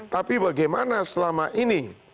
tapi bagaimana selama ini